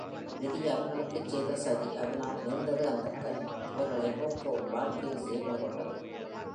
விதி அவர்களுக்குச் செய்த சதி, அதனால் நேர்ந்தது அந்தக் கதி இவர்களை நோக்க உன் வாழ்க்கை சீர்மை கொண்டது.